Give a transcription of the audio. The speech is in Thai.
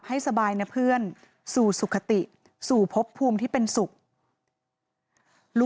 ปี๖๕วันเช่นเดียวกัน